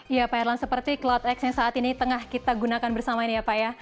ya pak erlang seperti cloudx yang saat ini tengah kita gunakan bersama ini ya pak ya